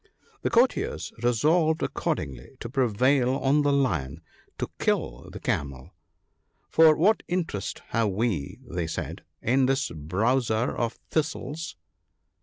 The courtiers resolved accordingly to prevail on the Lion to kill the Camel ;" for what interest have we," they said, " in this Browser of thistles